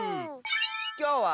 きょうは。